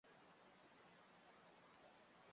其中还办理与浙江第一码头的水铁转运业务。